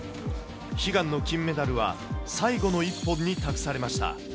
悲願の金メダルは、最後の一本に託されました。